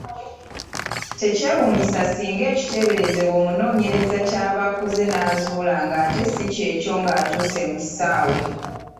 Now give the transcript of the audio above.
Tekyewuunyisa singa ekiteeberezebwa omunoonyereza ky'aba akoze n’azuula ng’ate si kyekyo ng’atuuse mu kisaawe.